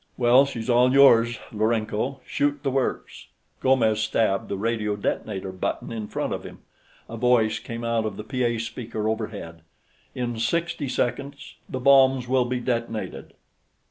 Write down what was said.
"Well, she's all yours, Lourenço, shoot the works." Gomes stabbed the radio detonator button in front of him. A voice came out of the PA speaker overhead: "In sixty seconds, the bombs will be detonated